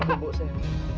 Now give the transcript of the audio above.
buk buk sayang